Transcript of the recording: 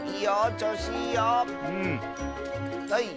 ちょうしいいよ！